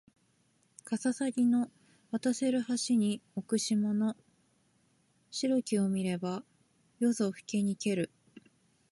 かささぎの渡せる橋に置く霜の白きを見れば夜ぞふけにける